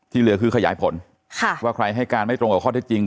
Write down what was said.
เหลือคือขยายผลว่าใครให้การไม่ตรงกับข้อเท็จจริง